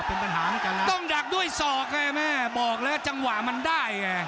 เป็นปัญหามันจัดแล้วต้องดักด้วยศอกบอกเลยว่าจังหวะมันได้